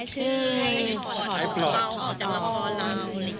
ไอ้ชื่นไอ้ปลอดภัยออกจากละครเราเลย